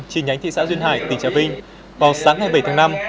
chi nhánh thị xã duyên hải tỉnh trà vinh vào sáng ngày bảy tháng năm